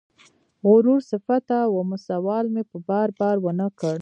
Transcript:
غرور صفته ومه سوال مې په بار، بار ونه کړ